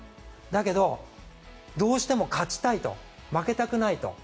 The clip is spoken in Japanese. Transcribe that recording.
だけど、どうしても勝ちたいと負けたくないと。